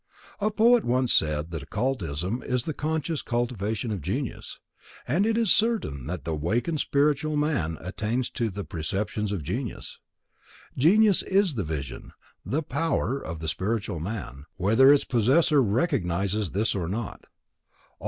A poet once said that Occultism is the conscious cultivation of genius; and it is certain that the awakened spiritual man attains to the perceptions of genius. Genius is the vision, the power, of the spiritual man, whether its possessor recognizes this or not.